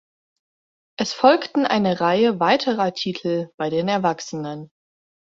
Es folgten eine Reihe weiterer Titel bei den Erwachsenen.